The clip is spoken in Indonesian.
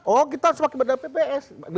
oh kita harus pakai data bps